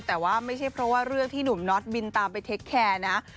แต่ว่าไม่ใช่เพราะว่าเรื่องที่หนุ่มน็อตบินตามไปเทคแคร์นะ